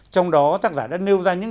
trong đó tác giả đã nêu ra những